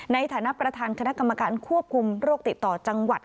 ในฐานะประธานคณะกรรมการควบคุมโรคติดต่อจังหวัด